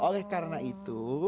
oleh karena itu